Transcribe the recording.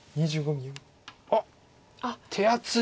あっ手厚い！